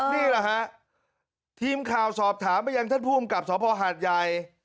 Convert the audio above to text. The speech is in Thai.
นี่เหรอฮะทิมคาวสอบถามไปจากท่านผู้กำกับสภพฮัทยัย